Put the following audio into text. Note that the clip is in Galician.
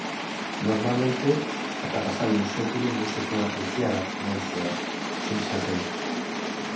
Normalmente ata pasado un século non se pode apreciar a tendencia subxacente.